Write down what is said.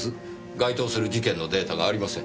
該当する事件のデータがありません。